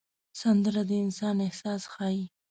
سندره د انسان احساس ښيي